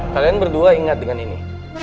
kalian berdua ingat dengan ini